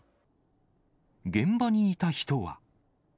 現場にいた人は。